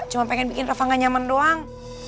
cuma pengen bikin rafa gak nyaman doang